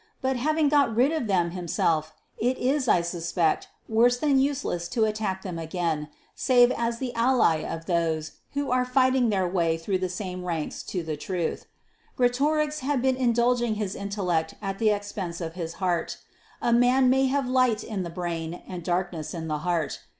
But having got rid of them for himself, it is, I suspect, worse than useless to attack them again, save as the ally of those who are fighting their way through the same ranks to the truth. Greatorex had been indulging his intellect at the expense of his heart. A man may have light in the brain and darkness in the heart.